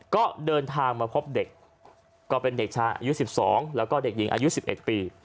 ก็เดินทางมาพบเด็กก็เป็นเด็กชายอายุ๑๒แล้วก็เด็กหญิงอายุ๑๑ปี